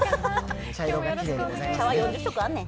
茶は４０色あんねん。